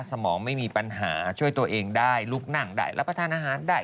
สมองไม่มีปัญหาช่วยตัวเองได้ลุกนั่งได้รับประทานอาหารได้